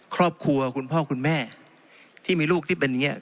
ครอบครัวคุณพ่อคุณแม่ที่มีลูกที่เป็นอย่างนี้